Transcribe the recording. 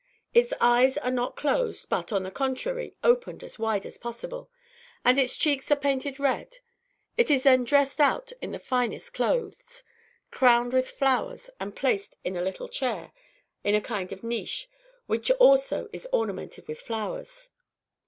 Its eyes are not closed, but, on the contrary, opened as wide as possible, and its cheeks are painted red; it is then dressed out in the finest clothes, crowned with flowers, and placed in a little chair in a kind of niche, which also is ornamented with flowers.